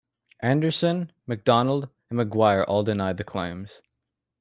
Anderson, McDonald and McGuire all denied the claims.